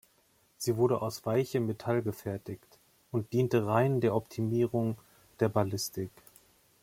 Sie wurde aus weichem Metall gefertigt und diente rein der Optimierung der Ballistik.